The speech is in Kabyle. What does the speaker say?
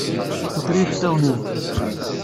Tuker-iyi iceṭṭiḍen-iw!